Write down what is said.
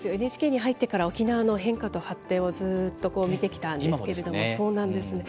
ＮＨＫに入ってから、沖縄の変化と発展を、ずっと見てきたんです今もですよね。